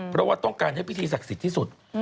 เพราะว่าต้องการให้พิธีศักดิ์สิทธิ์ที่สุด